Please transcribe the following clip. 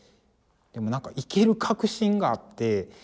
でもなんかイケる確信があって。